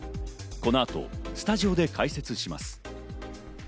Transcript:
この後、スタジオで解説します。